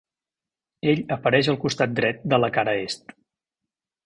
Ell apareix al costat dret de la cara est.